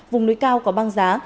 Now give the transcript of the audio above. vùng núi cao có băng giá